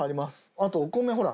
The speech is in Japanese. あとお米ほら。